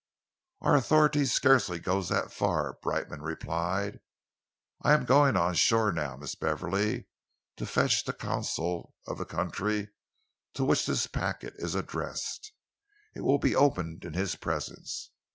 "Our authority scarcely goes so far," Brightman replied. "I am going on shore now, Miss Beverley, to fetch the consul of the country to which this packet is addressed. It will be opened in his presence.